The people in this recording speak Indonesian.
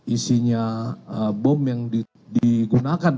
isinya bom yang digunakan